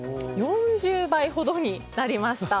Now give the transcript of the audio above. ４０倍ほどになりました。